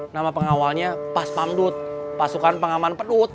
nama pengawalnya pas pamdut pasukan pengaman pedut